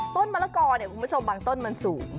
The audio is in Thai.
ต้นมะละกอเนี่ยคุณผู้ชมบางต้นมันสูง